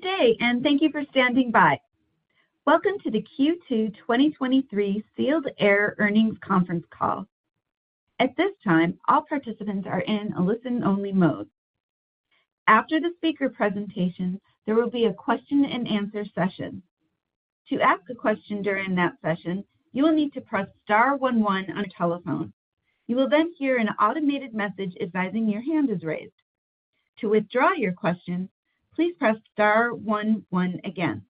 Good day, and thank you for standing by. Welcome to the Q2 2023 Sealed Air Earnings Conference Call. At this time, all participants are in a listen-only mode. After the speaker presentation, there will be a question-and-answer session. To ask a question during that session, you will need to press star one one on your telephone. You will then hear an automated message advising your hand is raised. To withdraw your question, please press star one one again.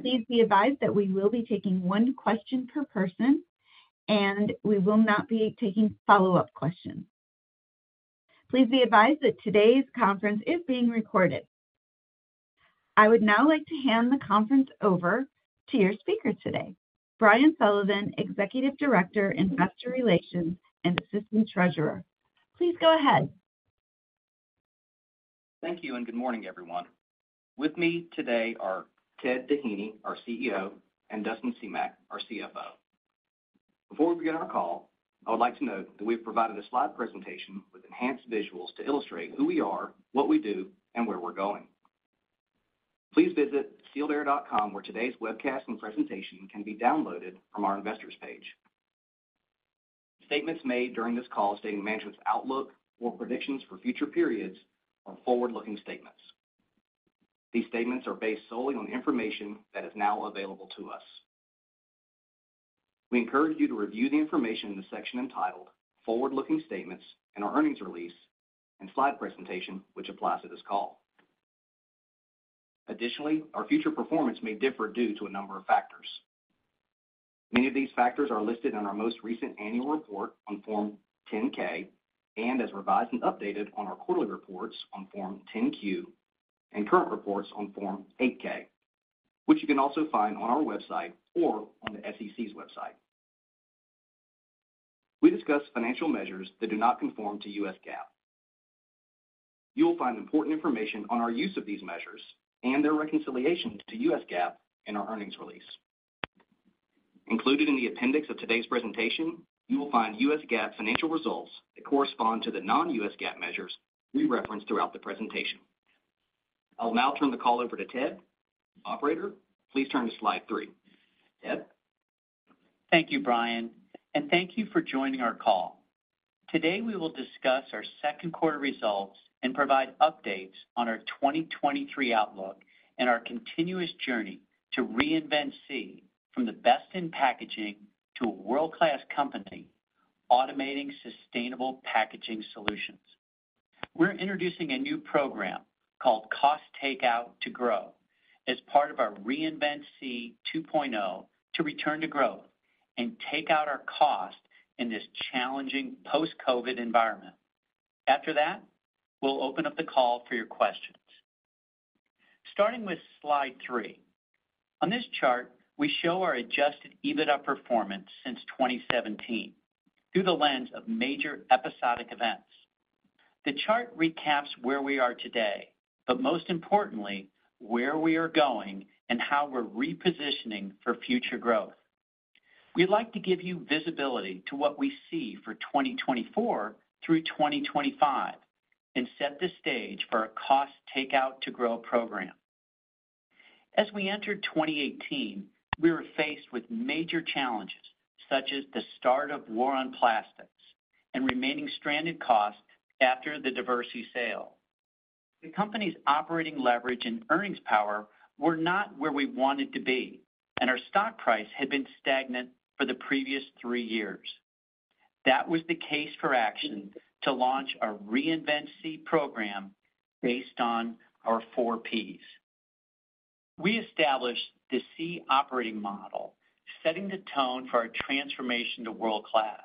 Please be advised that we will be taking one question per person, and we will not be taking follow-up questions. Please be advised that today's conference is being recorded. I would now like to hand the conference over to your speaker today, Brian Sullivan, Executive Director, Investor Relations and Assistant Treasurer. Please go ahead. Thank you. Good morning, everyone. With me today are Ted Doheny, our CEO, and Dustin Semach, our CFO. Before we begin our call, I would like to note that we have provided a Slide presentation with enhanced visuals to illustrate who we are, what we do, and where we're going. Please visit sealedair.com, where today's webcast and presentation can be downloaded from our Investors page. Statements made during this call stating management's outlook or predictions for future periods are forward-looking statements. These statements are based solely on information that is now available to us. We encourage you to review the information in the section entitled Forward-Looking Statements in our earnings release and Slide presentation, which applies to this call. Our future performance may differ due to a number of factors. Many of these factors are listed in our most recent annual report on Form 10-K and as revised and updated on our quarterly reports on Form 10-Q and current reports on Form 8-K, which you can also find on our website or on the SEC's website. We discuss financial measures that do not conform to U.S. GAAP. You will find important information on our use of these measures and their reconciliation to U.S. GAAP in our earnings release. Included in the appendix of today's presentation, you will find U.S. GAAP financial results that correspond to the non-U.S. GAAP measures we reference throughout the presentation. I'll now turn the call over to Ted. Operator, please turn to Slide 3. Ted? Thank you, Brian, and thank you for joining our call. Today, we will discuss our Q2 results and provide updates on our 2023 outlook and our continuous journey to reinvent SEE from the best in packaging to a world-class company, automating sustainable packaging solutions. We're introducing a new program called Cost take-out to Grow as part of our Reinvent SEE 2.0 to return to growth and take out our cost in this challenging post-COVID environment. After that, we'll open up the call for your questions. Starting with Slide 3. On this chart, we show our Adjusted EBITDA performance since 2017 through the lens of major episodic events. The chart recaps where we are today, but most importantly, where we are going and how we're repositioning for future growth. We'd like to give you visibility to what we see for 2024 through 2025 and set the stage for a Cost take-out to Grow program. As we entered 2018, we were faced with major challenges such as the start of war on plastics and remaining stranded costs after the Diversey sale. The company's operating leverage and earnings power were not where we wanted to be, and our stock price had been stagnant for the previous 3 years. That was the case for action to launch our Reinvent SEE program based on our four Ps. We established the SEE Operating Model, setting the tone for our transformation to world-class.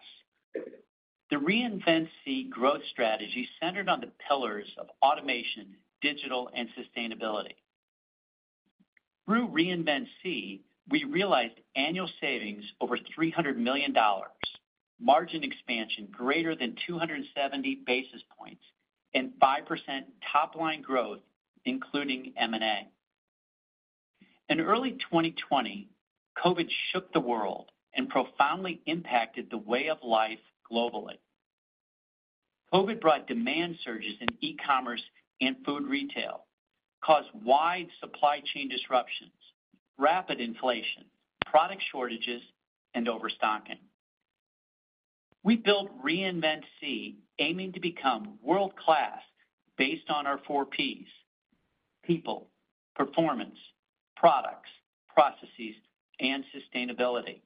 The Reinvent SEE growth strategy centered on the pillars of automation, digital, and sustainability. Through Reinvent SEE, we realized annual savings over $300 million, margin expansion greater than 270 basis points, and 5% -p-line growth, including M&A. In early 2020, COVID shook the world and profoundly impacted the way of life globally. COVID brought demand surges in e-commerce and food retail, caused wide supply chain disruptions, rapid inflation, product shortages, and overstocking. We built Reinvent SEE, aiming to become world-class based on our four Ps: people, performance, products, processes, and sustainability.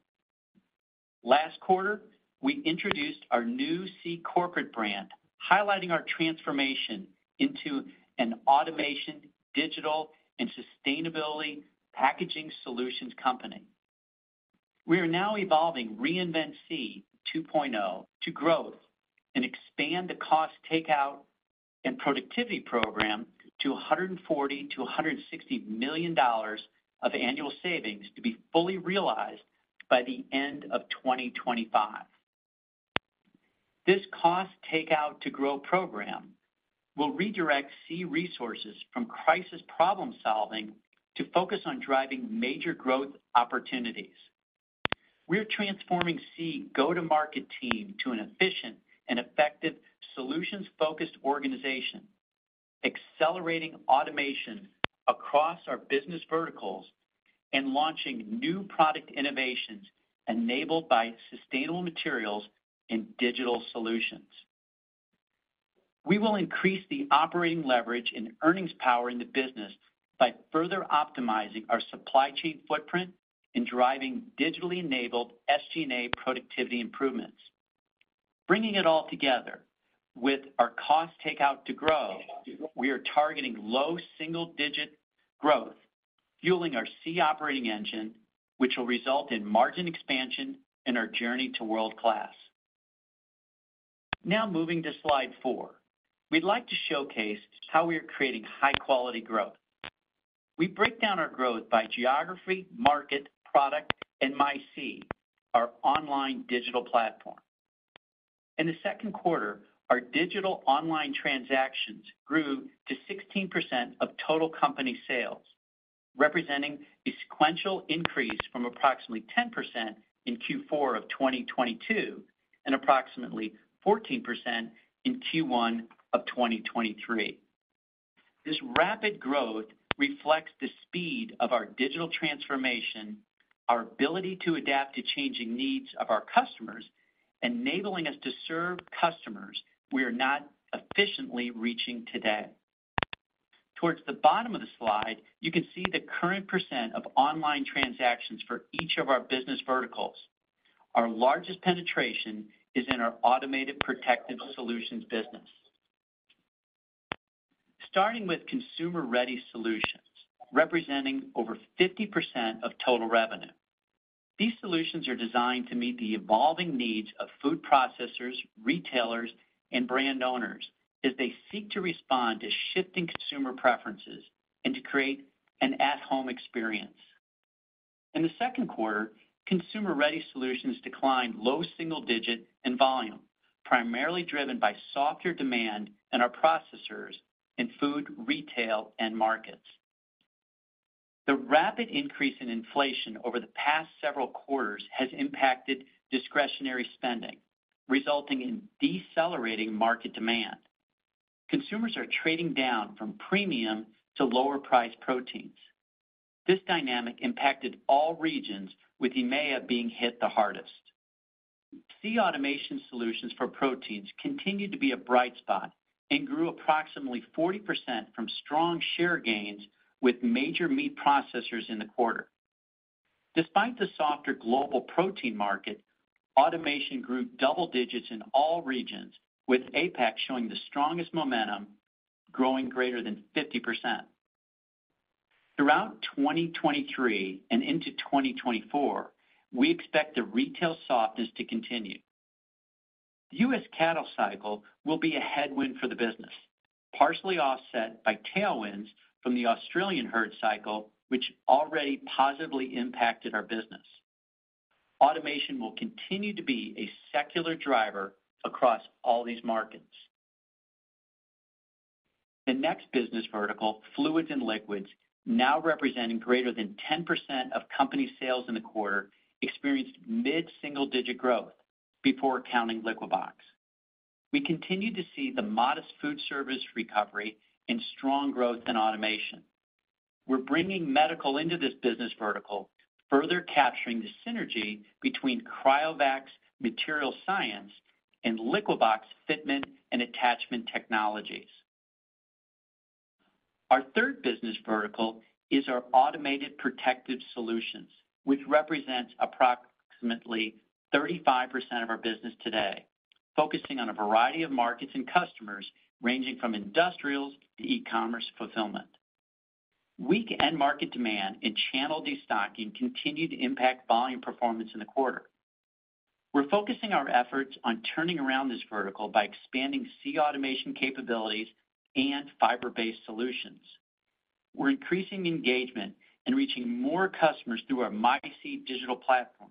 Last quarter, we introduced our new SEE corporate brand, highlighting our transformation into an automation, digital, and sustainability packaging solutions company. We are now evolving Reinvent SEE 2.0 to growth and expand the cost take-out and productivity program to $140 million-$160 million of annual savings to be fully realized by the end of 2025. This Cost take-out to Grow program will redirect SEE resources from crisis problem-solving to focus on driving major growth opportunities. We're transforming SEE go-to-market team to an efficient and effective solutions-focused organization, accelerating automation across our business verticals, and launching new product innovations enabled by sustainable materials and digital solutions. We will increase the operating leverage and earnings power in the business by further optimizing our supply chain footprint and driving digitally enabled SG&A productivity improvements. Bringing it all together with our Cost take-out to Grow, we are targeting low single-digit growth, fueling our SEE operating engine, which will result in margin expansion and our journey to world-class. Now, moving to Slide 4, we'd like to showcase how we are creating high-quality growth. We break down our growth by geography, market, product, and mySEE, our online digital platform. In the Q2, our digital online transactions grew to 16% of total company sales, representing a sequential increase from approximately 10% in Q4 of 2022, and approximately 14% in Q1 of 2023. This rapid growth reflects the speed of our digital transformation, our ability to adapt to changing needs of our customers, enabling us to serve customers we are not efficiently reaching today. Towards the bottom of the Slide, you can see the current % of online transactions for each of our business verticals. Our largest penetration is in our automated protective solutions business. Starting with consumer-ready solutions, representing over 50% of total revenue. These solutions are designed to meet the evolving needs of food processors, retailers, and brand owners as they seek to respond to shifting consumer preferences and to create an at-home experience. In the Q2, consumer-ready solutions declined low single digit in volume, primarily driven by softer demand in our processors in food, retail, and markets. The rapid increase in inflation over the past several quarters has impacted discretionary spending, resulting in decelerating market demand. Consumers are trading down from premium to lower-priced proteins. This dynamic impacted all regions, with EMEA being hit the hardest. SEE Automation Solutions for proteins continued to be a bright spot and grew approximately 40% from strong share gains with major meat processors in the quarter. Despite the softer global protein market, automation grew double digits in all regions, with APAC showing the strongest momentum, growing greater than 50%. Throughout 2023 and into 2024, we expect the retail softness to continue. The U.S. cattle cycle will be a headwind for the business, partially offset by tailwinds from the Australian herd cycle, which already positively impacted our business. Automation will continue to be a secular driver across all these markets. The next business vertical, fluids and liquids, now representing greater than 10% of company sales in the quarter, experienced mid-single-digit growth before accounting Liquibox. We continue to see the modest food service recovery and strong growth in automation. We're bringing medical into this business vertical, further capturing the synergy between Cryovac material science and Liquibox fitment and attachment technologies. Our third business vertical is our automated protective solutions, which represents approximately 35% of our business today, focusing on a variety of markets and customers, ranging from industrials to e-commerce fulfillment. Weak end market demand and channel destocking continued to impact volume performance in the quarter. We're focusing our efforts on turning around this vertical by expanding SEE automation capabilities and fiber-based solutions. We're increasing engagement and reaching more customers through our mySEE digital platform,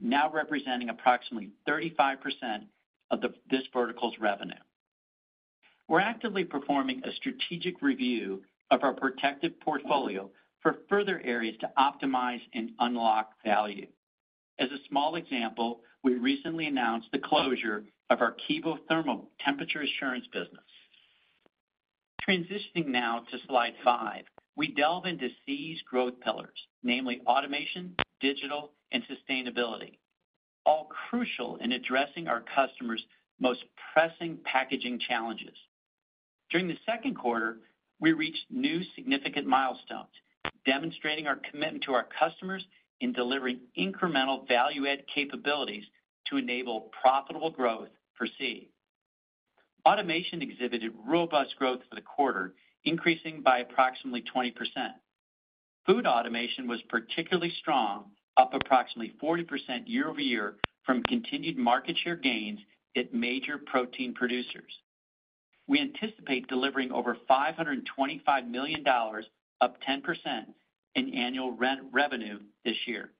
now representing approximately 35% of this vertical's revenue. We're actively performing a strategic review of our protective portfolio for further areas to optimize and unlock value. As a small example, we recently announced the closure of our Kevothermal Temperature Assurance business. Transitioning now to Slide 5, we delve into SEE's growth pillars, namely automation, digital, and sustainability, all crucial in addressing our customers' most pressing packaging challenges. During the Q2, we reached new significant milestones, demonstrating our commitment to our customers in delivering incremental value add capabilities to enable profitable growth for SEE. Automation exhibited robust growth for the quarter, increasing by approximately 20%. Food automation was particularly strong, up approximately 40% year-over-year from continued market share gains at major protein producers. We anticipate delivering over $525 million, up 10% in annual revenue this year.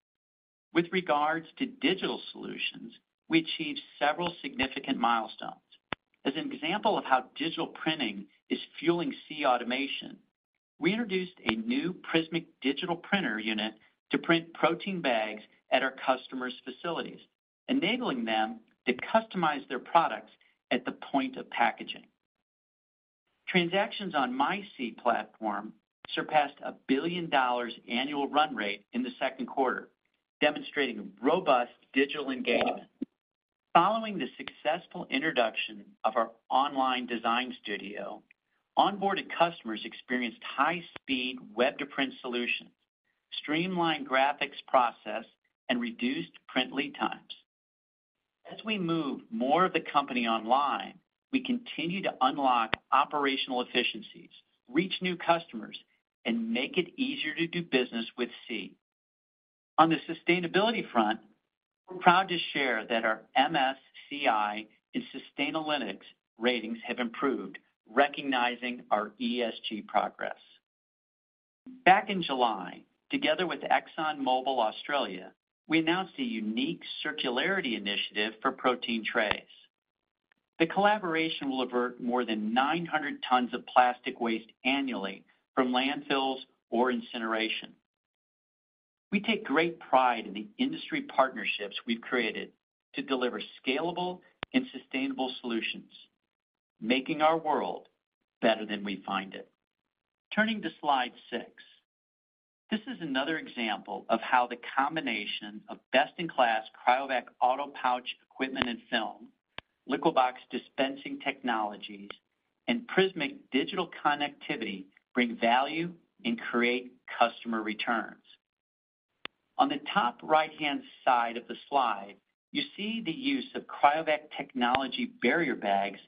With regards to digital solutions, we achieved several significant milestones. As an example of how digital printing is fueling SEE Automation, we introduced a new prismiq™ digital printer unit to print protein bags at our customer's facilities, enabling them to customize their products at the point of packaging. Transactions on mySEE platform surpassed $1 billion annual run rate in the Q2, demonstrating robust digital engagement. Following the successful introduction of our online Design Studio, onboarded customers experienced high-speed web-to-print solutions, streamlined graphics process, and reduced print lead times. As we move more of the company online, we continue to unlock operational efficiencies, reach new customers, and make it easier to do business with SEE. On the sustainability front, we're proud to share that our MSCI and Sustainalytics ratings have improved, recognizing our ESG progress. Back in July, together with ExxonMobil Australia, we announced a unique circularity initiative for protein trays. The collaboration will avert more than 900 tons of plastic waste annually from landfills or incineration. We take great pride in the industry partnerships we've created to deliver scalable and sustainable solutions, making our world better than we find it. Turning to Slide 6. This is another example of how the combination of best-in-class Cryovac Autopouch equipment and film, Liquibox dispensing technologies, and prismiq™ digital connectivity bring value and create customer returns. On the top right-hand side of the Slide, you see the use of Cryovac technology barrier bags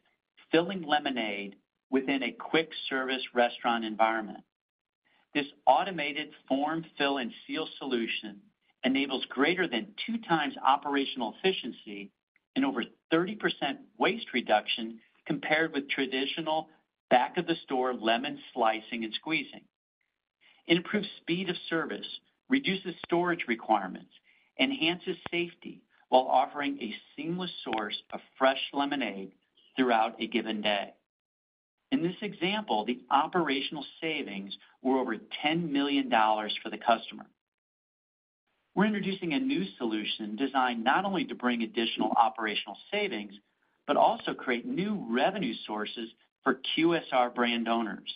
filling lemonade within a quick-service restaurant environment. This automated form, fill, and seal solution enables greater than 2 times operational efficiency and over 30% waste reduction compared with traditional back-of-the-store lemon slicing and squeezing. It improves speed of service, reduces storage requirements, enhances safety, while offering a seamless source of fresh lemonade throughout a given day. In this example, the operational savings were over $10 million for the customer. We're introducing a new solution designed not only to bring additional operational savings, but also create new revenue sources for QSR brand owners.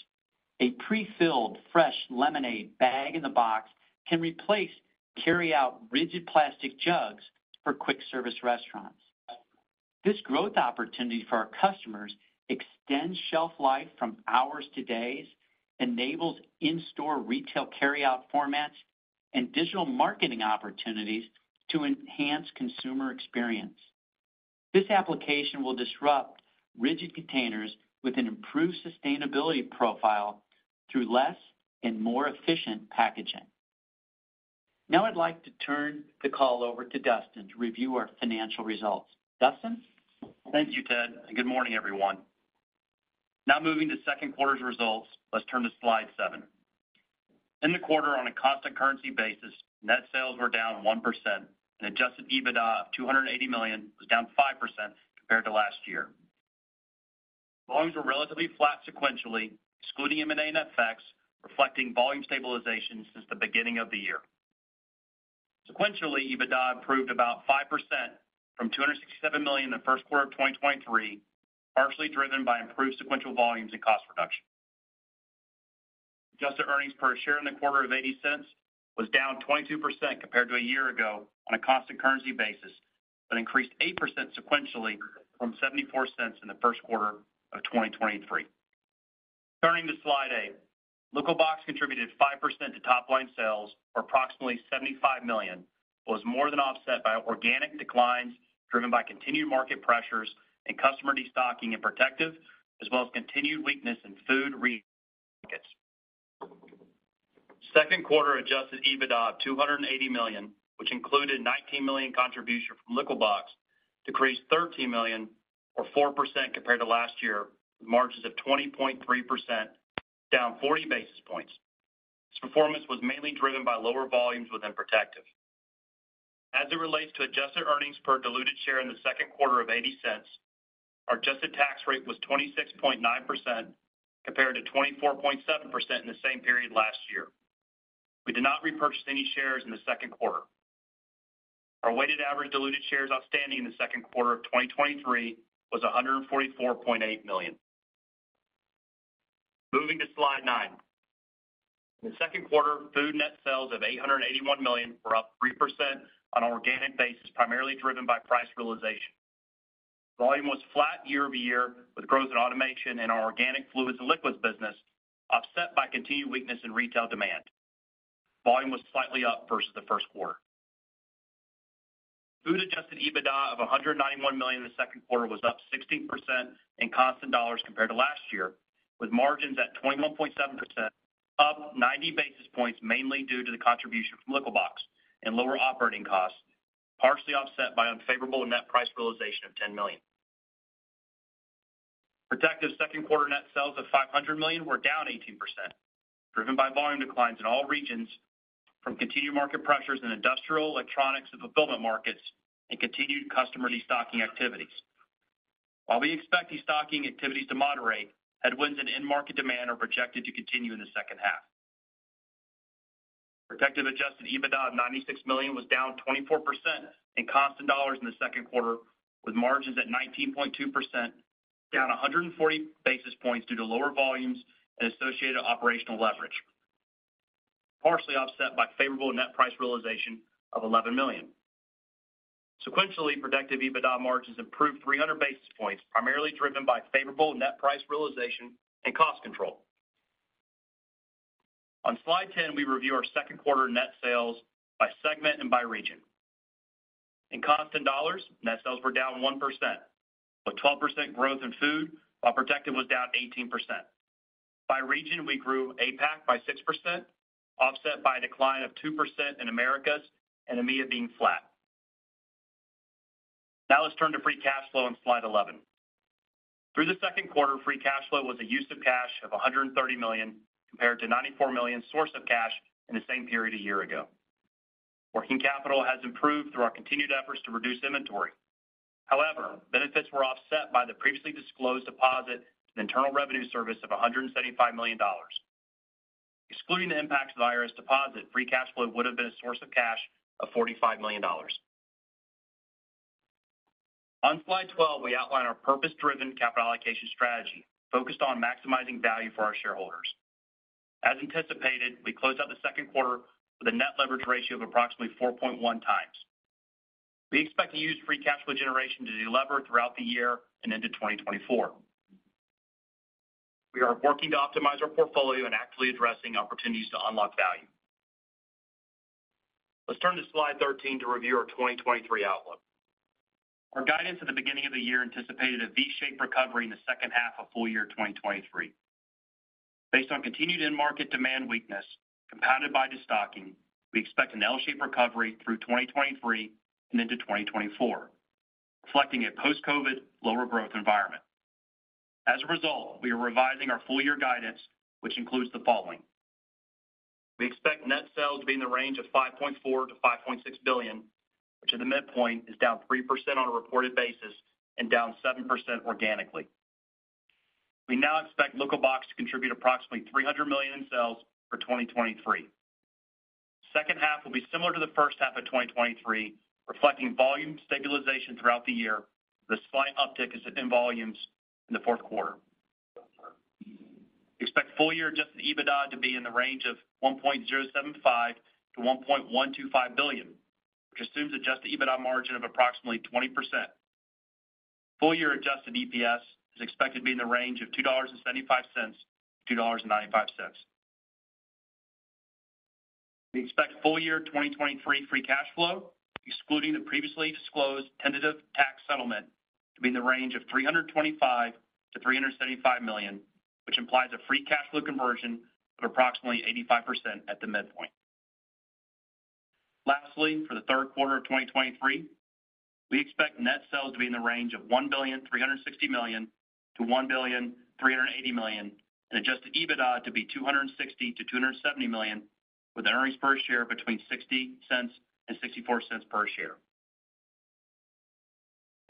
A pre-filled fresh lemonade bag-in-box can replace carryout rigid plastic jugs for quick-service restaurants. This growth opportunity for our customers extends shelf life from hours to days, enables in-store retail carryout formats and digital marketing opportunities to enhance consumer experience. This application will disrupt rigid containers with an improved sustainability profile through less and more efficient packaging. I'd like to turn the call over to Dustin to review our financial results. Dustin? Thank you, Ted. Good morning, everyone. Now moving to Q2's results, let's turn to Slide 7. In the quarter, on a constant currency basis, net sales were down 1% and Adjusted EBITDA of $280 million was down 5% compared to last year. Volumes were relatively flat sequentially, excluding M&A net effects, reflecting volume stabilization since the beginning of the year. Sequentially, EBITDA improved about 5% from $267 million in the Q1 of 2023, partially driven by improved sequential volumes and cost reduction. Adjusted earnings per share in the quarter of $0.80 was down 22% compared to a year ago on a constant currency basis, but increased 8% sequentially from $0.74 in the Q1 of 2023. Turning to Slide 8, Liquibox contributed 5% - top-line sales, or approximately $75 million, but was more than offset by organic declines driven by continued market pressures and customer destocking in protective, as well as continued weakness in food markets. Q2 Adjusted EBITDA of $280 million, which included $19 million contribution from Liquibox, decreased $13 million or 4% compared to last year, with margins of 20.3%, down 40 basis points. This performance was mainly driven by lower volumes within protective. As it relates to adjusted earnings per diluted share in the Q2 of $0.80, our adjusted tax rate was 26.9%, compared to 24.7% in the same period last year. We did not repurchase any shares in the Q2. Our weighted average diluted shares outstanding in the Q2 of 2023 was 144.8 million. Moving to Slide 9. In the Q2, food net sales of $881 million were up 3% on an organic basis, primarily driven by price realization. Volume was flat year-over-year, with growth in automation and our organic Fluids and Liquids business, offset by continued weakness in retail demand. Volume was slightly up versus the Q1. Food Adjusted EBITDA of $191 million in the Q2 was up 16% in constant dollars compared to last year, with margins at 21.7%, up 90 basis points, mainly due to the contribution from Liquibox and lower operating costs, partially offset by unfavorable net price realization of $10 million. Protective Q2 net sales of $500 million were down 18%, driven by volume declines in all regions from continued market pressures in industrial, electronics, and fulfillment markets, and continued customer destocking activities. While we expect destocking activities to moderate, headwinds and end market demand are projected to continue in the second half. Protective Adjusted EBITDA of $96 million was down 24% in constant dollars in the Q2, with margins at 19.2%, down 140 basis points due to lower volumes and associated operational leverage, partially offset by favorable net price realization of $11 million. Sequentially, Protective EBITDA margins improved 300 basis points, primarily driven by favorable net price realization and cost control. On Slide 10, we review our Q2 net sales by segment and by region. In constant dollars, net sales were down 1%, with 12% growth in food, while Protective was down 18%. By region, we grew APAC by 6%, offset by a decline of 2% in Americas and EMEA being flat. Now, let's turn to free cash flow on Slide 11. Through the Q2, free cash flow was a use of cash of $130 million, compared to $94 million source of cash in the same period a year ago. Working capital has improved through our continued efforts to reduce inventory. However, benefits were offset by the previously disclosed deposit to the Internal Revenue Service of $175 million. Excluding the impact of the IRS deposit, free cash flow would have been a source of cash of $45 million. On Slide 12, we outline our purpose-driven capital allocation strategy, focused on maximizing value for our shareholders. As anticipated, we closed out the Q2 with a net leverage ratio of approximately 4.1 times. We expect to use free cash flow generation to delever throughout the year and into 2024. We are working to optimize our portfolio and actively addressing opportunities to unlock value. Let's turn to Slide 13 to review our 2023 outlook. Our guidance at the beginning of the year anticipated a V-shaped recovery in the second half of full year 2023. Based on continued end market demand weakness, compounded by destocking, we expect an L-shaped recovery through 2023 and into 2024, reflecting a post-COVID lower growth environment. As a result, we are revising our full-year guidance, which includes the following: We expect net sales to be in the range of $5.4 billion-$5.6 billion, which at the midpoint, is down 3% on a reported basis and down 7% organically. We now expect Liquibox to contribute approximately $300 million in sales for 2023. Second half will be similar to the first half of 2023, reflecting volume stabilization throughout the year, with a slight uptick as in volumes in the Q4. We expect full year Adjusted EBITDA to be in the range of $1.075 billion-$1.125 billion, which assumes Adjusted EBITDA margin of approximately 20%. Full year Adjusted EPS is expected to be in the range of $2.75-$2.95. We expect full year 2023 free cash flow, excluding the previously disclosed tentative tax settlement, to be in the range of $325 million-$375 million, which implies a free cash flow conversion of approximately 85% at the midpoint. Lastly, for the Q3 of 2023, we expect net sales to be in the range of $1.36 billion-$1.38 billion, and Adjusted EBITDA to be $260 million-$270 million, with earnings per share between $0.60 and $0.64 per share.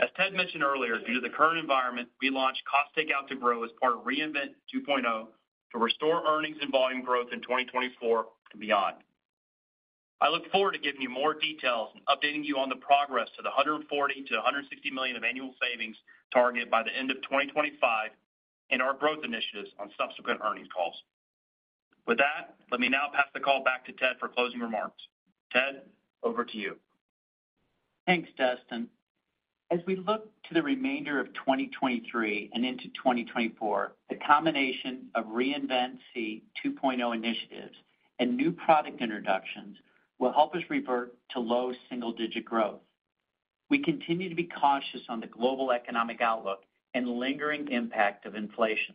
As Ted mentioned earlier, due to the current environment, we launched Cost take-out to Grow as part of Reinvent SEE 2.0, to restore earnings and volume growth in 2024 and beyond. I look forward to giving you more details and updating you on the progress to the $140 million-$160 million of annual savings target by the end of 2025 and our growth initiatives on subsequent earnings calls. With that, let me now pass the call back to Ted for closing remarks. Ted, over to you. Thanks, Dustin. As we look to the remainder of 2023 and into 2024, the combination of Reinvent SEE 2.0 initiatives and new product introductions will help us revert to low single-digit growth. We continue to be cautious on the global economic outlook and lingering impact of inflation.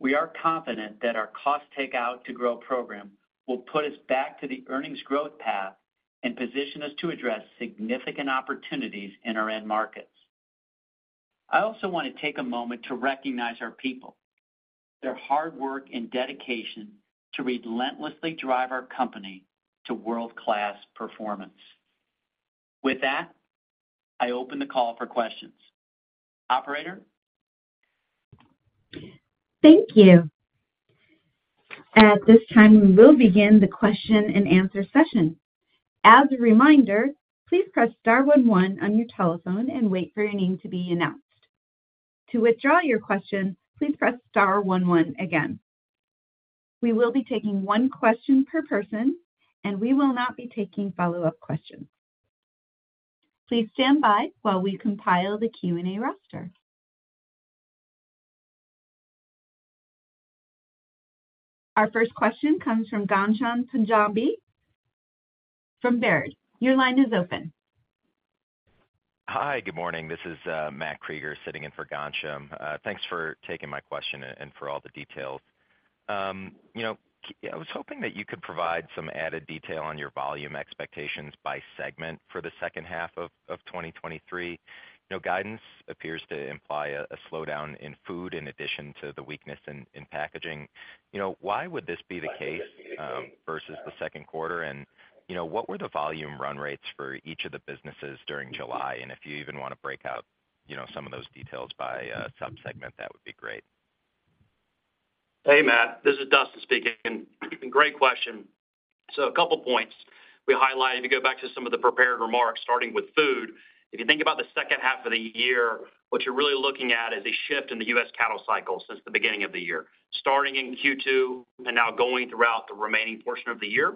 We are confident that our Cost take-out to Grow program will put us back to the earnings growth path and position us to address significant opportunities in our end markets. I also want to take a moment to recognize our people, their hard work and dedication to relentlessly drive our company to world-class performance. With that, I open the call for questions. Operator? Thank you. At this time, we will begin the question-and-answer session. As a reminder, please press star one one on your telephone and wait for your name to be announced. To withdraw your question, please press star one one again. We will be taking one question per person, and we will not be taking follow-up questions. Please stand by while we compile the Q&A roster. Our first question comes from Ghansham Panjabi from Baird. Your line is open. Hi, good morning. This is Matt Krueger sitting in for Ghansham. Thanks for taking my question and, and for all the details.... you know, I was hoping that you could provide some added detail on your volume expectations by segment for the second half of 2023. You know, guidance appears to imply a slowdown in food in addition to the weakness in packaging. You know, why would this be the case versus the Q2? You know, what were the volume run rates for each of the businesses during July? If you even want to break out, you know, some of those details by subsegment, that would be great. Hey, Matt, this is Dustin speaking. Great question. A couple points. We highlighted to go back to some of the prepared remarks, starting with food. If you think about the second half of the year, what you're really looking at is a shift in the U.S. cattle cycle since the beginning of the year, starting in Q2 and now going throughout the remaining portion of the year,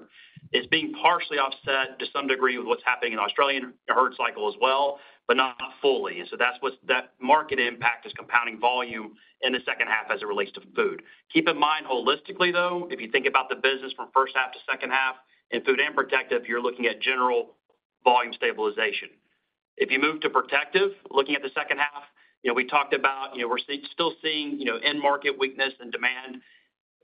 is being partially offset to some degree with what's happening in Australian herd cycle as well, but not fully. That's that market impact is compounding volume in the second half as it relates to food. Keep in mind, holistically, though, if you think about the business from first half to second half in food and protective, you're looking at general volume stabilization. If you move to Protective, looking at the second half, you know, we talked about, you know, we're still seeing, you know, end market weakness and demand,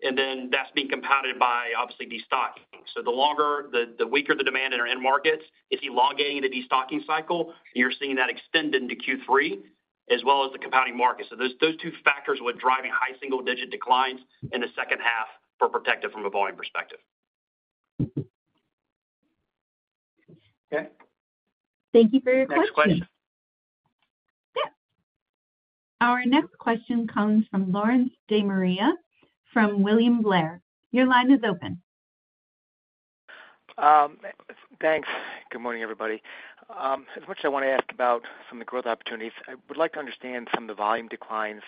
and then that's being compounded by obviously, destocking. The weaker the demand in our end markets, if you elongate into destocking cycle, you're seeing that extend into Q3 as well as the compounding market. Those two factors were driving high single-digit declines in the second half for Protective from a volume perspective. Okay. Thank you for your question. Next question. Yeah. Our next question comes from Lawrence DeMaria, from William Blair. Your line is open. Thanks. Good morning, everybody. As much as I want to ask about some of the growth opportunities, I would like to understand some of the volume declines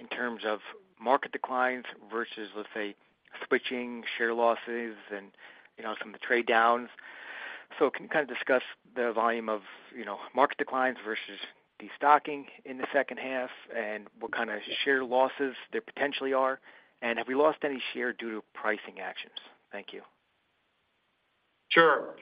in terms of market declines versus, let's say, switching, share losses, and, you know, some of the trade downs. Can you kind of discuss the volume of, you know, market declines versus destocking in the second half, and what kind of share losses there potentially are? Have we lost any share due to pricing actions? Thank you. Sure.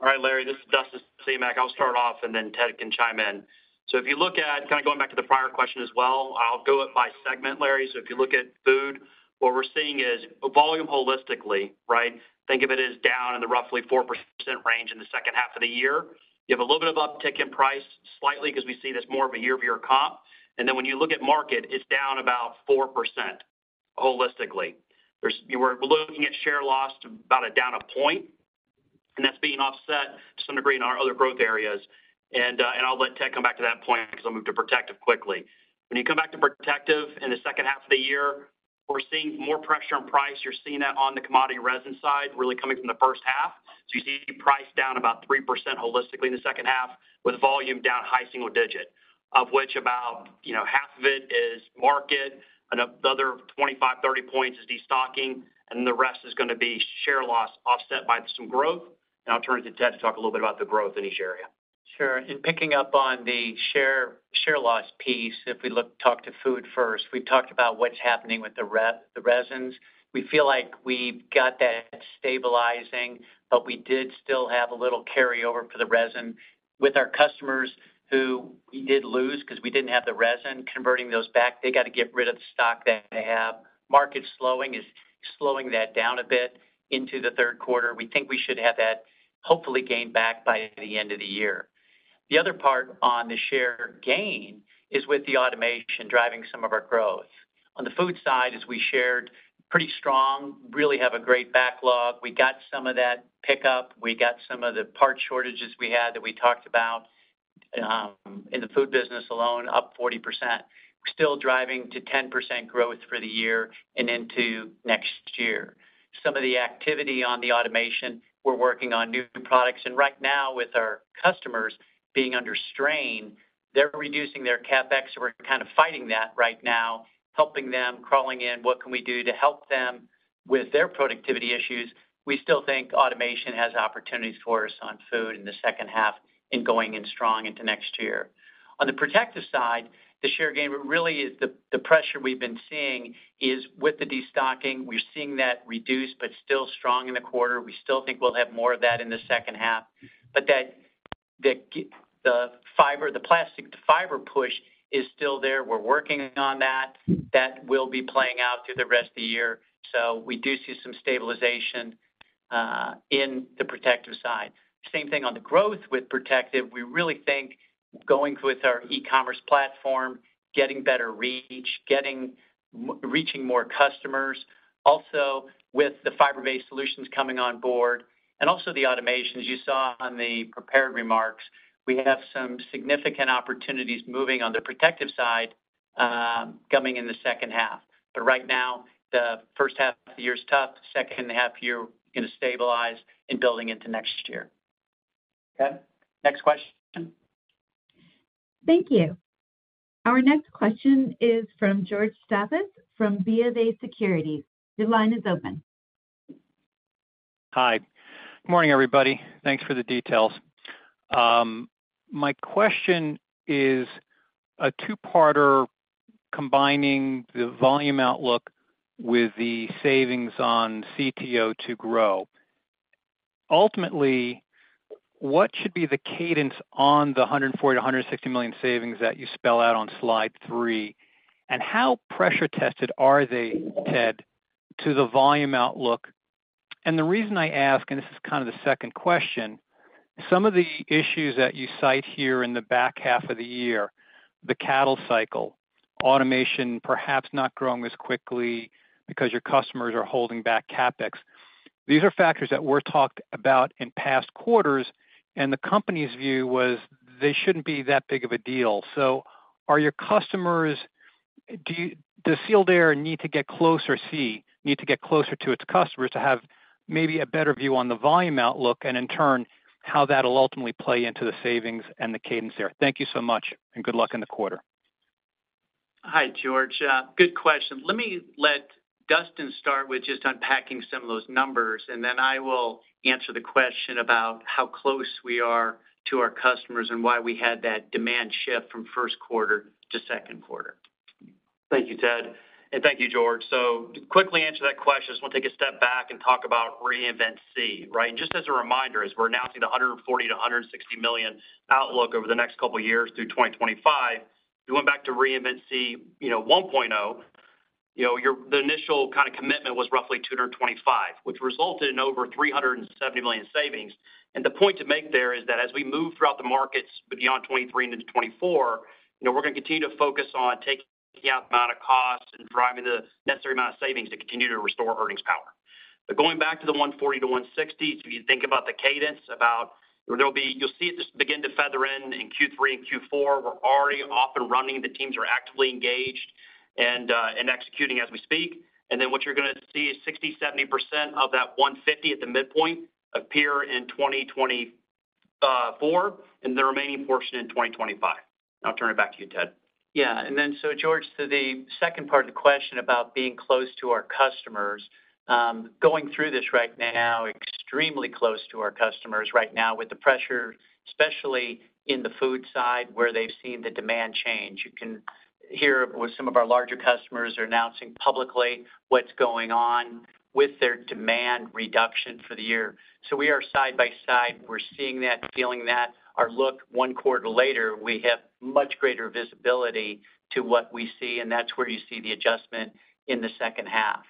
All right, Larry, this is Dustin Semach. I'll start off, then Ted can chime in. If you look at, kind of going back to the prior question as well, I'll go it by segment, Larry. If you look at food, what we're seeing is volume holistically, right? Think of it as down in the roughly 4% range in the second half of the year. You have a little bit of uptick in price slightly because we see this more of a year-over-year comp. Then when you look at market, it's down about 4% holistically. We're looking at share loss about a down 1 point, and that's being offset to some degree in our other growth areas. I'll let Ted come back to that point because I'll move to Protective quickly. When you come back to protective in the second half of the year, we're seeing more pressure on price. You're seeing that on the commodity resin side, really coming from the first half. You see price down about 3% holistically in the second half, with volume down high single digit, of which about, you know, half of it is market, and the other 25, 30 points is destocking, and the rest is going to be share loss offset by some growth. I'll turn it to Ted to talk a little bit about the growth in each area. Sure. Picking up on the share, share loss piece, if we look, talk to food first, we talked about what's happening with the resins. We feel like we've got that stabilizing, but we did still have a little carryover for the resin with our customers who we did lose because we didn't have the resin converting those back. They got to get rid of the stock that they have. Market slowing is slowing that down a bit into the Q3. We think we should have that hopefully gained back by the end of the year. The other part on the share gain is with the automation driving some of our growth. On the food side, as we shared, pretty strong, really have a great backlog. We got some of that pickup. We got some of the part shortages we had that we talked about, in the food business alone, up 40%. We're still driving to 10% growth for the year and into next year. Some of the activity on the automation, we're working on new products, and right now, with our customers being under strain, they're reducing their CapEx, and we're kind of fighting that right now, helping them, crawling in, what can we do to help them with their productivity issues? We still think automation has opportunities for us on food in the second half and going in strong into next year. On the Protective side, the share gain really is the, the pressure we've been seeing is with the destocking. We're seeing that reduced but still strong in the quarter. We still think we'll have more of that in the second half, that, the, the fiber, the plastic, the fiber push is still there. We're working on that. That will be playing out through the rest of the year. We do see some stabilization in the protective side. Same thing on the growth with protective. We really think going with our e-commerce platform, getting better reach, reaching more customers, also with the fiber-based solutions coming on board and also the automations you saw on the prepared remarks, we have some significant opportunities moving on the protective side, coming in the second half. Right now, the first half of the year is tough. Second half year, going to stabilize and building into next year. Okay, next question. Thank you. Our next question is from George Staphos, from BofA Securities. Your line is open. Hi. Good morning, everybody. Thanks for the details. My question is a two-parter, combining the volume outlook with the savings on Cost Take-Out to Grow. Ultimately, what should be the cadence on the $140 million-$160 million savings that you spell out on Slide 3? How pressure tested are they, Ted, to the volume outlook? The reason I ask, and this is kind of the second question, some of the issues that you cite here in the back half of the year, the cattle cycle, automation, perhaps not growing as quickly because your customers are holding back CapEx. These are factors that were talked about in past quarters, and the company's view was they shouldn't be that big of a deal. Are your customers- does Sealed Air need to get closer, SEE, need to get closer to its customers to have maybe a better view on the volume outlook, and in turn, how that'll ultimately play into the savings and the cadence there? Thank you so much. Good luck in the quarter. Hi, George. Good question. Let me let Dustin start with just unpacking some of those numbers, and then I will answer the question about how close we are to our customers and why we had that demand shift from Q1 to Q2. Thank you, Ted, and thank you, George. To quickly answer that question, I just want to take a step back and talk about Reinvent SEE, right? Just as a reminder, as we're announcing the $140 million-$160 million outlook over the next couple of years through 2025, we went back to Reinvent SEE, you know, 1.0. The initial kind of commitment was roughly $225 million, which resulted in over $370 million savings. The point to make there is that as we move throughout the markets beyond 2023 into 2024, you know, we're gonna continue to focus on taking out amount of costs and driving the necessary amount of savings to continue to restore earnings power. Going back to the $140 million-$160 million, if you think about the cadence, there'll be you'll see it just begin to feather in, in Q3 and Q4. We're already off and running. The teams are actively engaged and executing as we speak. What you're gonna see is 60%-70% of that $150 million at the midpoint appear in 2024, and the remaining portion in 2025. I'll turn it back to you, Ted. George, to the second part of the question about being close to our customers, going through this right now, extremely close to our customers right now with the pressure, especially in the food side, where they've seen the demand change. You can hear with some of our larger customers are announcing publicly what's going on with their demand reduction for the year. We are side by side. We're seeing that, feeling that. Our look one quarter later, we have much greater visibility to what we see, and that's where you see the adjustment in the second half.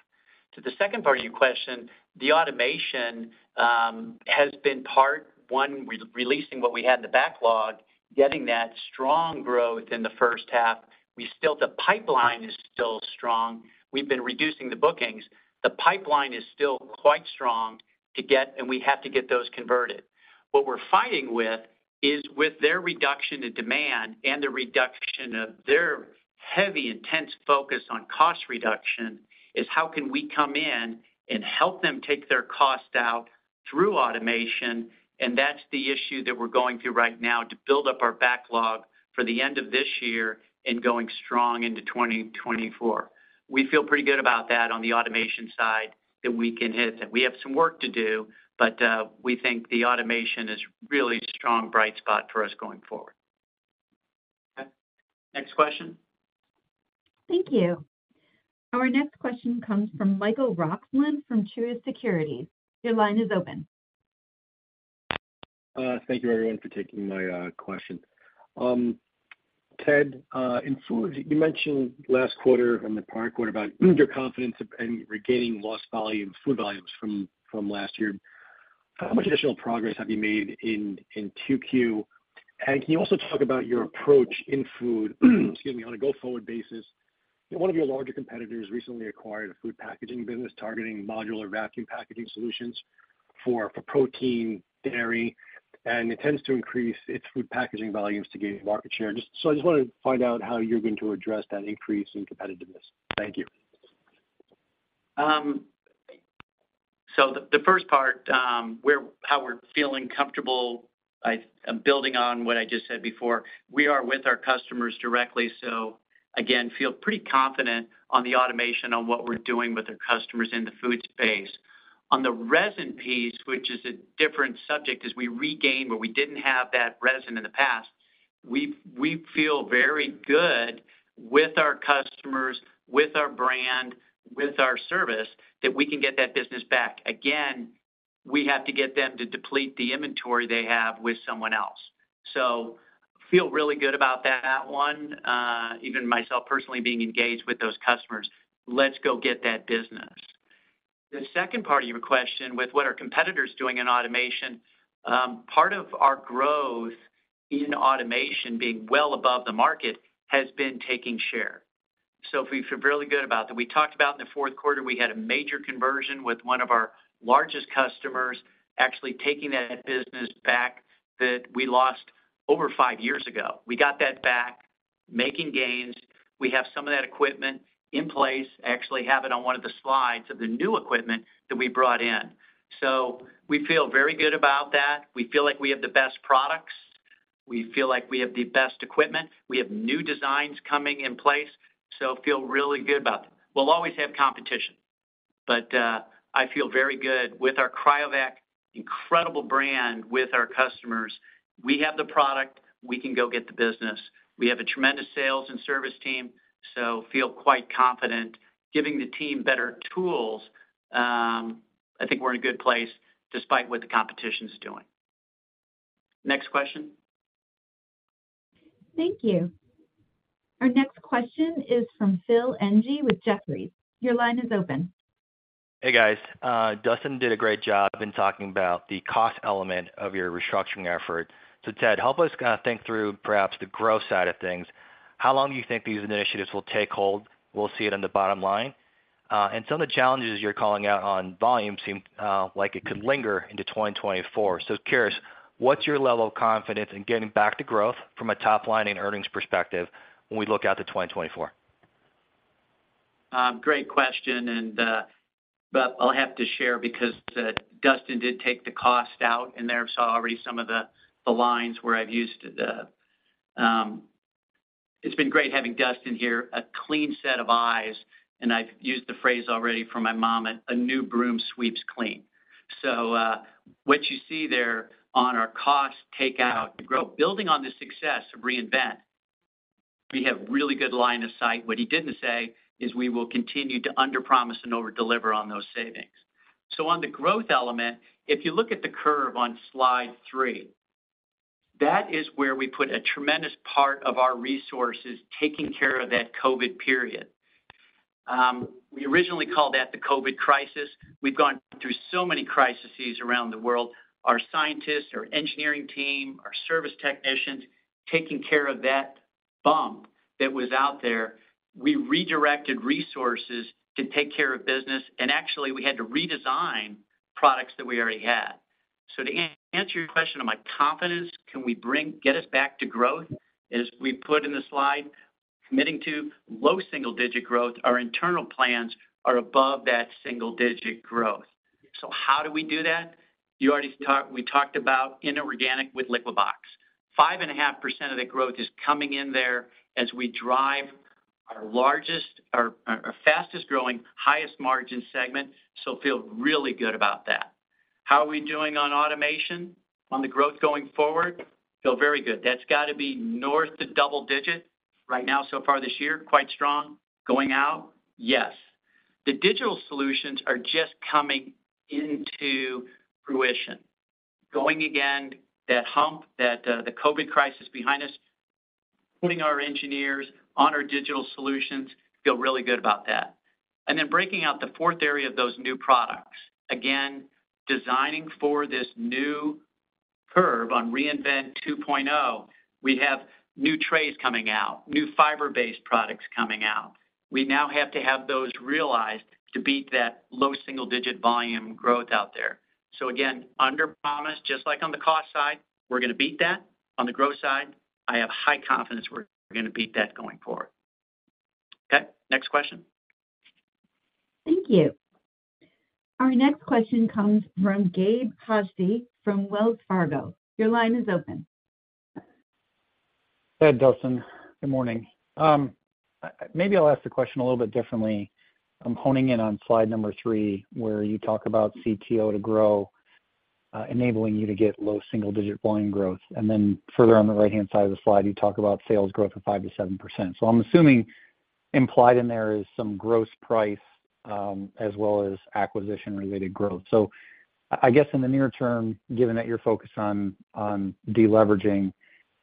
To the second part of your question, the automation, has been part, one, re-releasing what we had in the backlog, getting that strong growth in the first half. We still. The pipeline is still strong. We've been reducing the bookings. The pipeline is still quite strong to get, and we have to get those converted. What we're fighting with is with their reduction in demand and the reduction of their heavy, intense focus on cost reduction, is how can we come in and help them take their costs out through automation. That's the issue that we're going through right now to build up our backlog for the end of this year and going strong into 2024. We feel pretty good about that on the automation side, that we can hit that. We have some work to do, but we think the automation is really strong, bright spot for us going forward. Next question. Thank you. Our next question comes from Michael Roxland from Truist Securities. Your line is open. Thank you, everyone, for taking my question. Ted, in food, you mentioned last quarter, in the prior quarter, about your confidence in regaining lost volume, food volumes from last year. How much additional progress have you made in Q2? Can you also talk about your approach in food, excuse me, on a go-forward basis? One of your larger competitors recently acquired a food packaging business targeting modular vacuum packaging solutions for protein, dairy, and it tends to increase its food packaging volumes to gain market share. I just wanted to find out how you're going to address that increase in competitiveness. Thank you. The, the first part, how we're feeling comfortable, I, building on what I just said before, we are with our customers directly. Again, feel pretty confident on the automation on what we're doing with the customers in the food space. On the resin piece, which is a different subject, as we regain, where we didn't have that resin in the past, we feel very good with our customers, with our brand, with our service, that we can get that business back. Again, we have to get them to deplete the inventory they have with someone else. Feel really good about that one, even myself personally being engaged with those customers. Let's go get that business. The second part of your question with what are competitors doing in automation, part of our growth in automation being well above the market has been taking share. We feel really good about that. We talked about in the Q4, we had a major conversion with one of our largest customers, actually taking that business back that we lost over five years ago. We got that back, making gains. We have some of that equipment in place, actually have it on one of the Slides of the new equipment that we brought in. We feel very good about that. We feel like we have the best products. We feel like we have the best equipment. We have new designs coming in place, so feel really good about them. We'll always have competition, but I feel very good with our Cryovac incredible brand, with our customers. We have the product, we can go get the business. We have a tremendous sales and service team, so feel quite confident giving the team better tools. I think we're in a good place despite what the competition is doing. Next question? Thank you. Our next question is from Philip Ng with Jefferies. Your line is open. Hey, guys. Dustin did a great job in talking about the cost element of your restructuring effort. Ted, help us kind of think through perhaps the growth side of things. How long do you think these initiatives will take hold? We'll see it on the bottom line. Some of the challenges you're calling out on volume seem, like it could linger into 2024. Curious, what's your level of confidence in getting back to growth from a top line and earnings perspective when we look out to 2024? Great question. I'll have to share because Dustin did take the Cost take-out in there, saw already some of the lines where I've used the. It's been great having Dustin here, a clean set of eyes, and I've used the phrase already from my mom, a new broom sweeps clean. What you see there on our Cost take-out to Grow. Building on the success of Reinvent SEE, we have really good line of sight. What he didn't say is we will continue to underpromise and overdeliver on those savings. On the growth element, if you look at the curve on Slide 3, that is where we put a tremendous part of our resources, taking care of that COVID period. We originally called that the COVID crisis. We've gone through so many crises around the world. Our scientists, our engineering team, our service technicians, taking care of that bump that was out there. We redirected resources to take care of business, actually, we had to redesign products that we already had. To answer your question, am I confident can we get us back to growth? As we put in the Slide, committing to low single-digit growth. Our internal plans are above that single-digit growth. How do we do that? You already talked, we talked about inorganic with Liquibox. 5.5% of the growth is coming in there as we drive our largest, our fastest-growing, highest margin segment, so feel really good about that. How are we doing on automation, on the growth going forward? Feel very good. That's got to be north to double-digit right now, so far this year, quite strong. Going out? Yes. The digital solutions are just coming into fruition. Going again, that hump, the COVID crisis behind us, putting our engineers on our digital solutions, feel really good about that. Breaking out the fourth area of those new products. Again, designing for this new curve on Reinvent SEE 2.0, we have new trays coming out, new fiber-based products coming out. We now have to have those realized to beat that low single-digit volume growth out there. Again, underpromise, just like on the cost side, we're gonna beat that. On the growth side, I have high confidence we're gonna beat that going forward. Okay, next question. Thank you. Our next question comes from Gabe Hajde, from Wells Fargo. Your line is open. Ted, Dustin, good morning. maybe I'll ask the question a little bit differently. I'm honing in on Slide 3, where you talk about Cost Take-Out to Grow, enabling you to get low single-digit volume growth. Further on the right-hand side of the Slide, you talk about sales growth of 5%-7%. I'm assuming implied in there is some gross price, as well as acquisition-related growth. I guess in the near term, given that you're focused on, on deleveraging,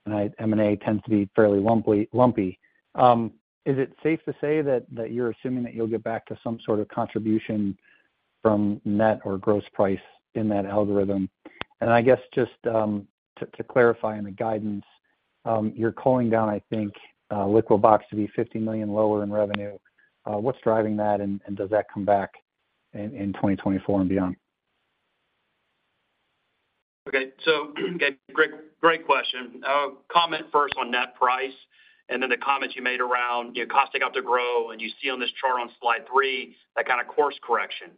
and M&A tends to be fairly lumpy, lumpy, is it safe to say that, that you're assuming that you'll get back to some sort of contribution from net or gross price in that algorithm? I guess, just to clarify on the guidance, you're calling down, I think, Liquibox to be $50 million lower in revenue. What's driving that, and does that come back in 2024 and beyond? Gabe, great, great question. I'll comment first on net price and then the comments you made around your Cost take-out to Grow, and you see on this chart on Slide 3, that kind of course correction.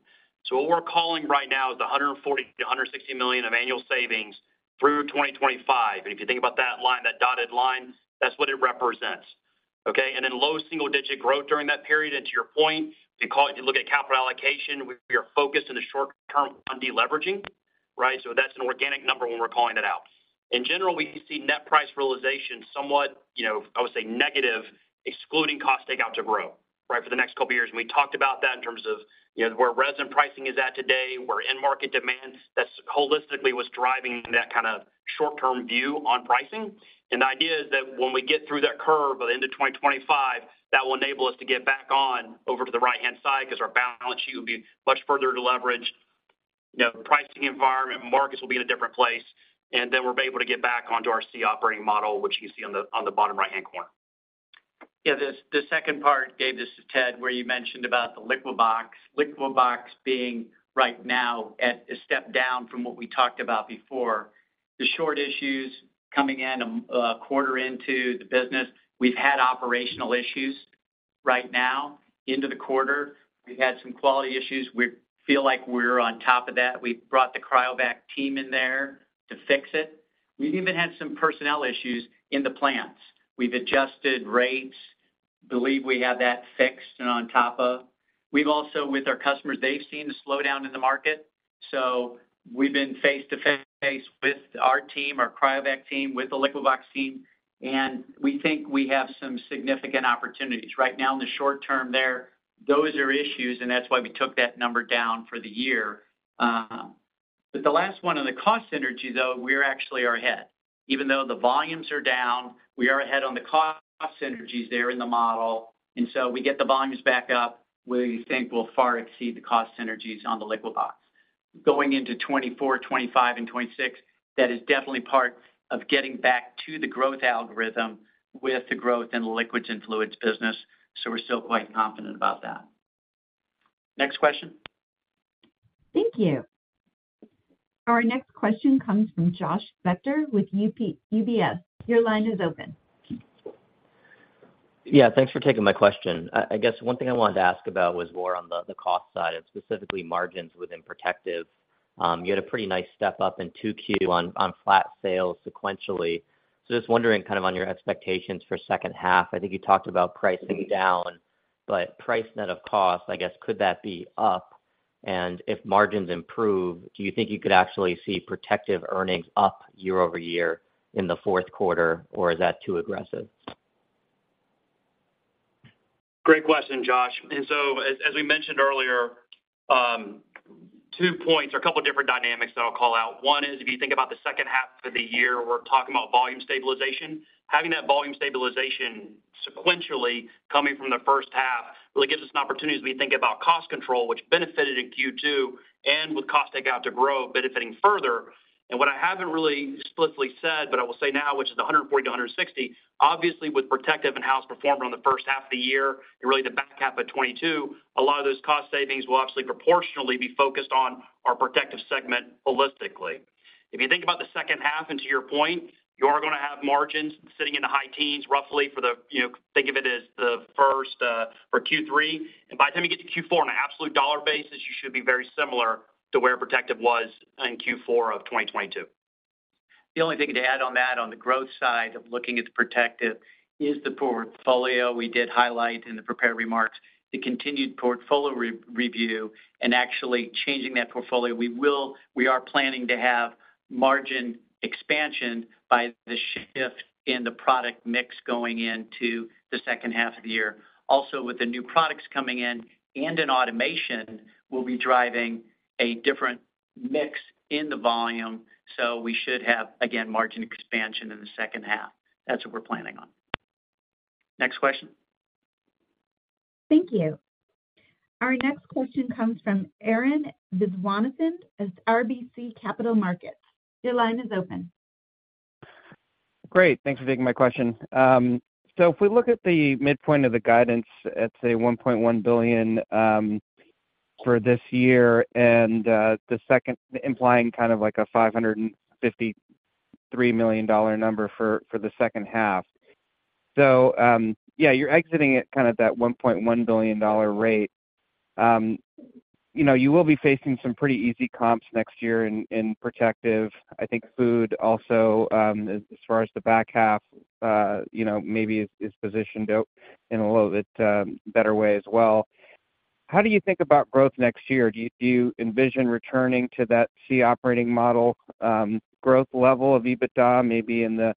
What we're calling right now is the $140 million-$160 million of annual savings through 2025. If you think about that line, that dotted line, that's what it represents, okay? Then low single-digit growth during that period, and to your point, if you look at capital allocation, we are focused in the short term on deleveraging, right? That's an organic number when we're calling it out. In general, we see net price realization somewhat, you know, I would say, negative, excluding Cost take-out to Grow, right, for the next couple of years. We talked about that in terms of, you know, where resident pricing is at today, where end-market demand, that holistically was driving that kind of short-term view on pricing. The idea is that when we get through that curve by the end of 2025, that will enable us to get back on over to the right-hand side because our balance sheet will be much further leveraged. You know, the pricing environment, markets will be in a different place, and then we'll be able to get back onto our SEE Operating Model, which you see on the, on the bottom right-hand corner. Yeah, the second part, Gabe, this is Ted, where you mentioned about the Liquibox. Liquibox being right now at a step down from what we talked about before. The short issues coming in a quarter into the business. We've had operational issues right now into the quarter. We've had some quality issues. We feel like we're on top of that. We've brought the Cryovac team in there to fix it. We've even had some personnel issues in the plants. We've adjusted rates. Believe we have that fixed and on top of. We've also, with our customers, they've seen a slowdown in the market, so we've been face-to-face with our team, our Cryovac team, with the Liquibox team, and we think we have some significant opportunities. Right now, in the short term there, those are issues, and that's why we took that number down for the year. The last one on the cost synergy, though, we actually are ahead. Even though the volumes are down, we are ahead on the cost synergies there in the model. We get the volumes back up, we think we'll far exceed the cost synergies on the Liquibox. Going into 2024, 2025, and 2026, that is definitely part of getting back to the growth algorithm with the growth in the liquids and fluids business. We're still quite confident about that. Next question? Thank you. Our next question comes from Josh Bechter with UBS. Your line is open. Yeah, thanks for taking my question. I guess one thing I wanted to ask about was more on the, the cost side and specifically margins within Protective. You had a pretty nice step up in Q2 on, on flat sales sequentially. Just wondering kind of on your expectations for second half. I think you talked about pricing down, but price net of cost, I guess, could that be up? If margins improve, do you think you could actually see Protective earnings up year-over-year in the Q4, or is that too aggressive? Great question, Josh. As we mentioned earlier, two points or a couple of different dynamics that I'll call out. One is, if you think about the second half of the year, we're talking about volume stabilization. Having that volume stabilization sequentially coming from the first half really gives us an opportunity as we think about cost control, which benefited in Q2, and with Cost take-out to Grow benefiting further. What I haven't really explicitly said, but I will say now, which is the $140 million-$160 million, obviously, with Protective and how it's performed on the first half of the year, and really the back half of 2022, a lot of those cost savings will obviously proportionally be focused on our Protective segment holistically. If you think about the second half, and to your point, you are gonna have margins sitting in the high teens, roughly, for the, you know, think of it as the first, for Q3. By the time you get to Q4 on an absolute dollar basis, you should be very similar to where Protective was in Q4 of 2022. The only thing to add on that, on the growth side of looking at the Protective, is the portfolio we did highlight in the prepared remarks, the continued portfolio re-review and actually changing that portfolio. We are planning to have margin expansion by the shift in the product mix going into the second half of the year. Also, with the new products coming in and in automation, we'll be driving a different mix in the volume, so we should have, again, margin expansion in the second half. That's what we're planning on. Next question. Thank you. Our next question comes from Arun Viswanathan of RBC Capital Markets. Your line is open. Great. Thanks for taking my question. If we look at the midpoint of the guidance at, say, $1.1 billion for this year and the second implying kind of like a $553 million number for the second half. You're exiting at kind of that $1.1 billion rate. You know, you will be facing some pretty easy comps next year in Protective. I think Food also, as far as the back half, you know, maybe is positioned out in a little bit better way as well. How do you think about growth next year? Do you envision returning to that SEE Operating Model growth level of EBITDA, maybe in the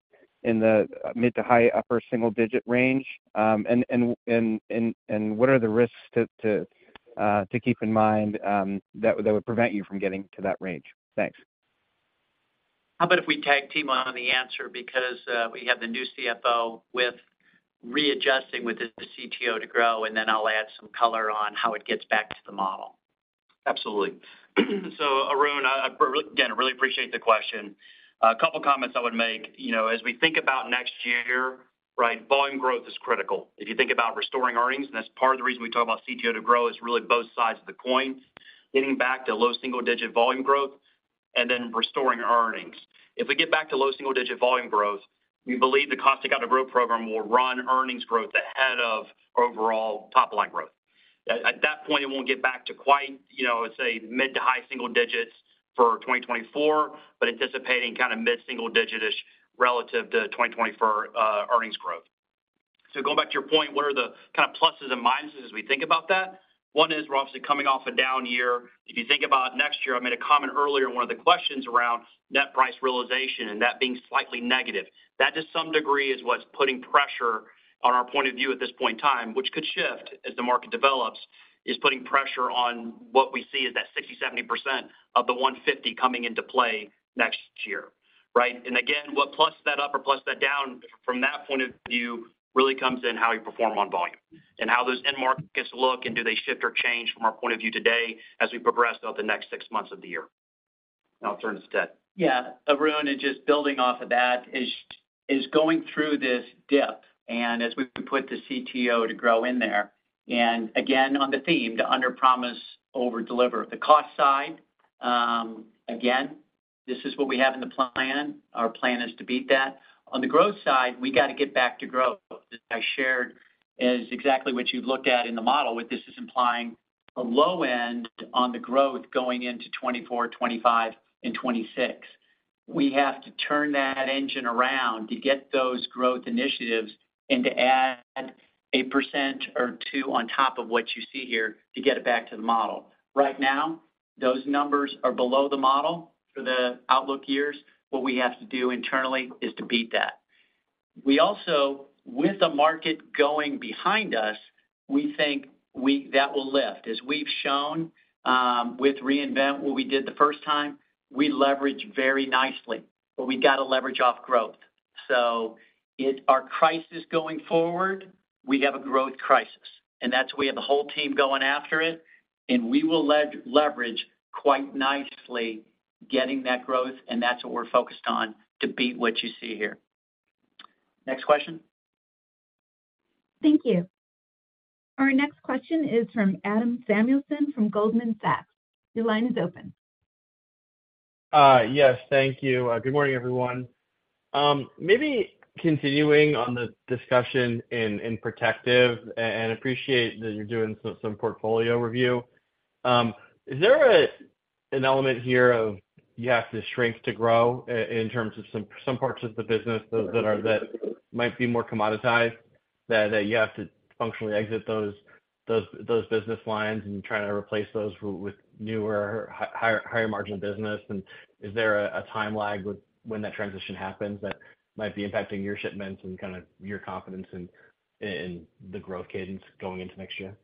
mid to high upper single-digit range? What are the risks to keep in mind, that would prevent you from getting to that range? Thanks. How about if we tag team on, on the answer? We have the new CFO with readjusting with the CTO2Grow, and then I'll add some color on how it gets back to the model. Absolutely. Arun, I, again, I really appreciate the question. A couple of comments I would make, you know, as we think about next year, right, volume growth is critical. If you think about restoring earnings, and that's part of the reason we talk about CTO2Grow, is really both sides of the coin, getting back to low single-digit volume growth and then restoring earnings. If we get back to low single-digit volume growth, we believe the cost to get out of growth program will run earnings growth ahead of overall top-line growth. At that point, it won't get back to quite, you know, say, mid- to high single digits for 2024, but anticipating kind of mid-single digitish relative to 2024 earnings growth. Going back to your point, what are the kind of pluses and minuses as we think about that? One is we're obviously coming off a down year. If you think about next year, I made a comment earlier in one of the questions around net price realization and that being slightly negative. That, to some degree, is what's putting pressure on our point of view at this point in time, which could shift as the market develops, is putting pressure on what we see as that 60%-70% of the $150 coming into play next year, right? Again, what plus that up or plus that down from that point of view, really comes in how you perform on volume and how those end markets look, and do they shift or change from our point of view today as we progress over the next six months of the year. Now I'll turn to Ted. Yeah, Arun, and just building off of that, is going through this dip, and as we put the CTO2Grow in there, and again, on the theme, to underpromise, overdeliver. The cost side, again, this is what we have in the plan. Our plan is to beat that. On the growth side, we got to get back to growth. As I shared, is exactly what you've looked at in the model, but this is implying a low end on the growth going into 2024, 2025, and 2026. We have to turn that engine around to get those growth initiatives and to add a % or two on top of what you see here to get it back to the model. Right now, those numbers are below the model for the outlook years. What we have to do internally is to beat that. We also, with the market going behind us, we think that will lift. As we've shown, with Reinvent SEE, what we did the first time, we leveraged very nicely, but we got to leverage off growth. It, our crisis going forward, we have a growth crisis, and that's we have the whole team going after it, and we will leverage quite nicely getting that growth, and that's what we're focused on, to beat what you see here. Next question. Thank you. Our next question is from Adam Samuelson from Goldman Sachs. Your line is open. Yes, thank you. Good morning, everyone. Maybe continuing on the discussion in protective and appreciate that you're doing some portfolio review. Is there an element here of you have to shrink to grow in terms of some parts of the business that are, that might be more commoditized, that you have to functionally exit those business lines and try to replace those with newer, higher, higher margin business? Is there a time lag with when that transition happens that might be impacting your shipments and kinda your confidence in the growth cadence going into next year?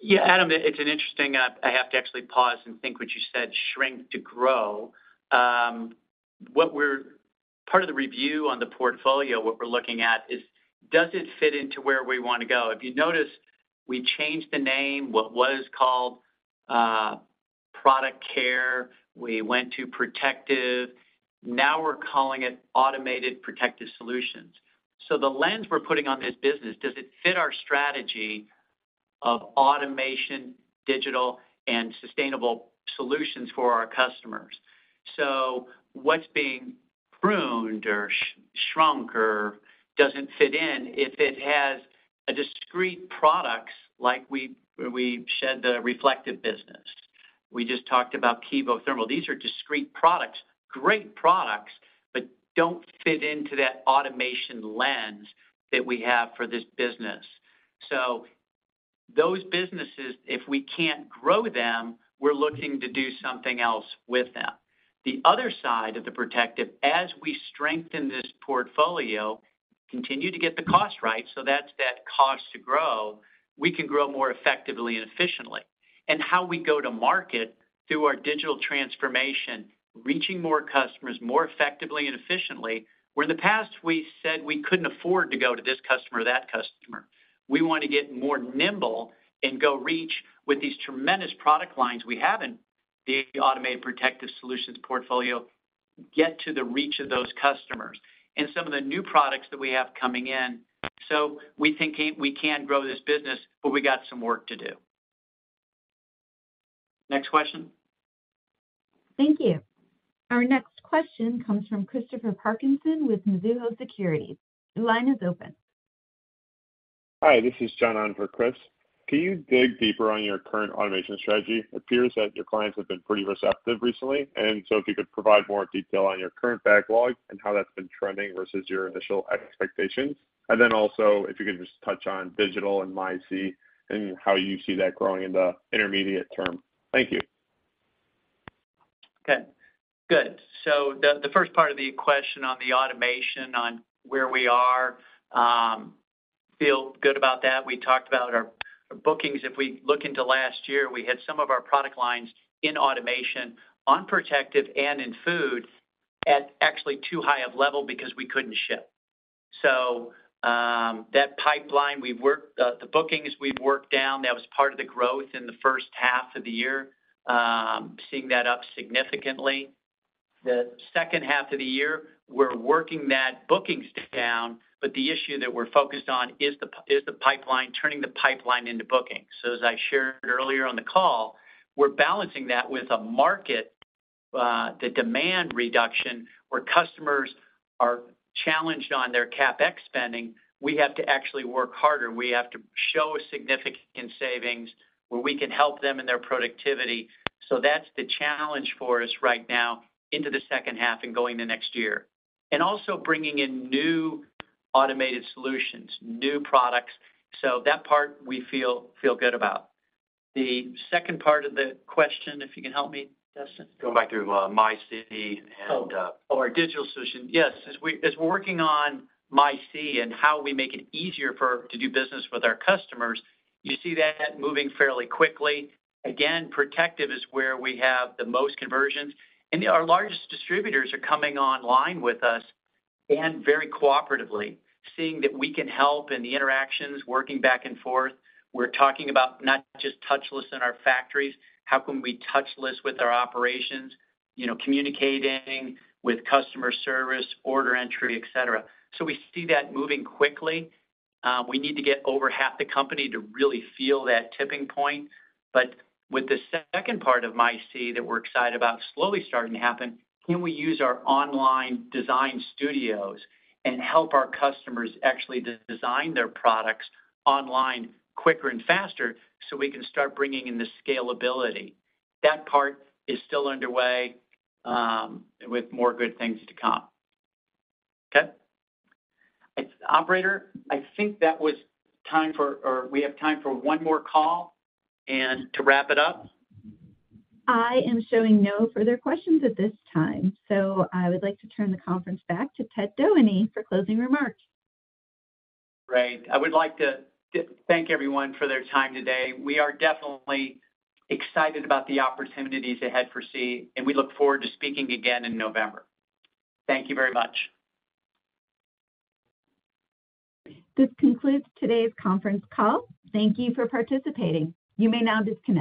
Yeah, Adam, it's an interesting, I have to actually pause and think what you said, shrink to grow. What part of the review on the portfolio, what we're looking at, is does it fit into where we wanna go? If you notice, we changed the name, what was called Product Care, we went to Protective. Now we're calling it Automated Protective Solutions. The lens we're putting on this business, does it fit our strategy of automation, digital, and sustainable solutions for our customers? What's being pruned or shrunk or doesn't fit in, if it has a discrete products like we, we shed the reflective business. We just talked about Kevothermal. These are discrete products, great products, but don't fit into that automation lens that we have for this business. Those businesses, if we can't grow them, we're looking to do something else with them. The other side of the Protective, as we strengthen this portfolio, continue to get the cost right, so that's that Cost take-out to Grow, we can grow more effectively and efficiently. How we go to market through our digital transformation, reaching more customers, more effectively and efficiently, where in the past we said we couldn't afford to go to this customer or that customer. We want to get more nimble and go reach with these tremendous product lines we have in the automated protective solutions portfolio, get to the reach of those customers and some of the new products that we have coming in. We think we can grow this business, but we got some work to do. Next question. Thank you. Our next question comes from Christopher Parkinson with Mizuho Securities. Your line is open. Hi, this is John on for Chris. Can you dig deeper on your current automation strategy? It appears that your clients have been pretty receptive recently, if you could provide more detail on your current backlog and how that's been trending versus your initial expectations. Also, if you could just touch on digital and mySEE and how you see that growing in the intermediate term. Thank you. Okay, good. The first part of the question on the automation on where we are, feel good about that. We talked about our bookings. If we look into last year, we had some of our product lines in automation, on Protective and in Food, at actually too high of level because we couldn't ship. That pipeline, we've worked... the bookings, we've worked down. That was part of the growth in the first half of the year. Seeing that up significantly. The second half of the year, we're working that bookings down, but the issue that we're focused on is the pipeline, turning the pipeline into bookings. As I shared earlier on the call, we're balancing that with a market, the demand reduction, where customers are challenged on their CapEx spending, we have to actually work harder. We have to show a significant savings where we can help them in their productivity. That's the challenge for us right now into the second half and going to next year. Also bringing in new automated solutions, new products. That part we feel, feel good about. The second part of the question, if you can help me, Dustin? Going back to, mySEE. Our digital solution. Yes, as we're working on mySEE and how we make it easier for to do business with our customers, you see that moving fairly quickly. Again, Protective is where we have the most conversions, and our largest distributors are coming online with us and very cooperatively, seeing that we can help in the interactions, working back and forth. We're talking about not just touchless in our factories, how can we touchless with our operations, you know, communicating with customer service, order entry, et cetera. We see that moving quickly. We need to get over half the company to really feel that tipping point. With the second part of mySEE that we're excited about, slowly starting to happen, can we use our online Design Studios and help our customers actually design their products online quicker and faster, so we can start bringing in the scalability? That part is still underway, with more good things to come. Okay. Operator, I think that was time for... or we have time for one more call and to wrap it up. I am showing no further questions at this time, so I would like to turn the conference back to Ted Doheny for closing remarks. Great. I would like to thank everyone for their time today. We are definitely excited about the opportunities ahead for SEE, and we look forward to speaking again in November. Thank you very much. This concludes today's conference call. Thank you for participating. You may now disconnect.